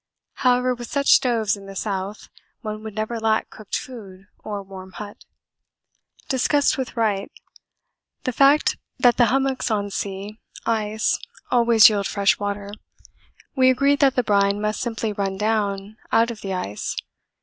However, with such stoves in the south one would never lack cooked food or warm hut. Discussed with Wright the fact that the hummocks on sea ice always yield fresh water. We agreed that the brine must simply run down out of the ice.